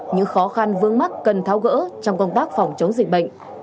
những khó khăn vương mắc cần tháo gỡ trong công tác phòng chống dịch bệnh